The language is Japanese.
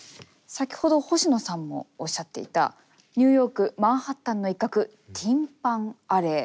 先ほど星野さんもおっしゃっていたニューヨーク・マンハッタンの一角ティン・パン・アレー。